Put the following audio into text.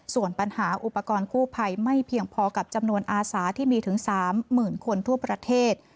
ส่วนปัญหาอุปกรณ์กู้ภัยไม่เพียงพอกับจำนวนอาสาที่มีถึง๓๐๐๐คนทั่วประเทศ